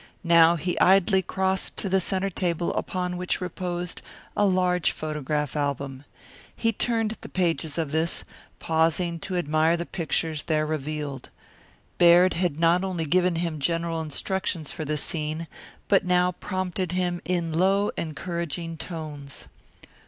Now he idly crossed to the centre table upon which reposed a large photograph album. He turned the pages of this, pausing to admire the pictures there revealed. Baird had not only given him general instructions for this scene, but now prompted him in low, encouraging tones.